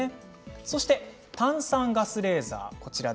そして炭酸ガスレーザー。